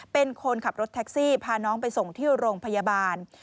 เป็นคนขับรถแท็กซี่พาน้องไปส่งที่โรงพยาบาล